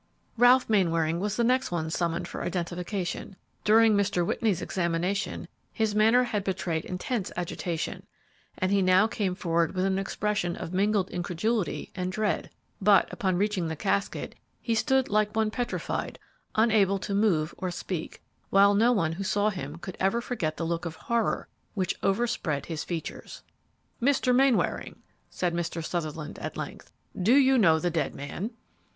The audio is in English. Ralph Mainwaring was the next one summoned for identification. During Mr. Whitney's examination his manner had betrayed intense agitation, and he now came forward with an expression of mingled incredulity and dread, but upon reaching the casket, he stood like one petrified, unable to move or speak, while no one who saw him could ever forget the look of horror which overspread his features. "Mr. Mainwaring," said Mr. Sutherland at length, "do you know the dead man?"